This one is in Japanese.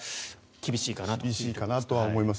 厳しいかなと思います。